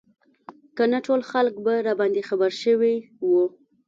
که نه ټول خلک به راباندې خبر شوي وو.